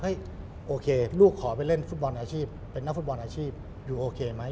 โอเคลูกขอไปเล่นฟุตบอลอาชีพเป็นนักฟุตบอลอาชีพยูโอเคไหม